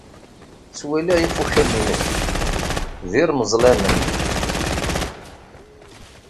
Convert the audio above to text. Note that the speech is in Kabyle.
Ttwaliɣ ifukal-nnek d irmeẓlanen.